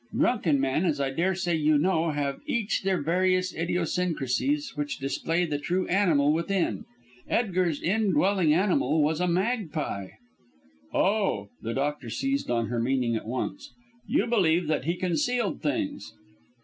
Drunken men, as I daresay you know, have each their various idiosyncrasies which display the true animal within. Edgar's indwelling animal was a magpie." "Oh!" The doctor seized on her meaning at once. "You believe that he concealed things!"